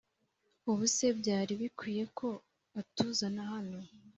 ubuse byari bikwiye ko atuzana hano